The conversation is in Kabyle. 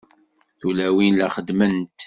Tulawin la xeddment.